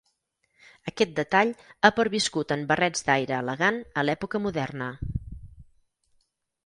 Aquest detall ha perviscut en barrets d'aire elegant a l'època moderna.